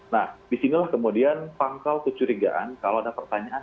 nah disinilah kemudian pangkal kecurigaan kalau ada pertanyaan